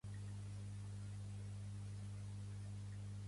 Són organismes quimiosintètics alguns pocs tipus de bacteris.